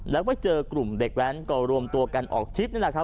แล้วก็เจอกลุ่มเด็กแว้นก็รวมตัวกันออกทริปนี่แหละครับ